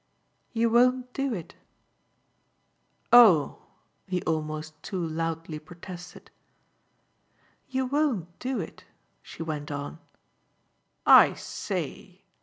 "You won't do it." "Oh!" he almost too loudly protested. "You won't do it," she went on. "I SAY!"